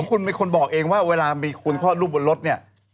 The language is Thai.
คุณเป็นคนบอกเองว่าเวลามีคุณคลอดลูกบนรถเนี่ย